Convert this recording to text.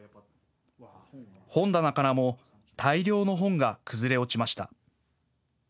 本棚からも大量の本が崩れ落ちました。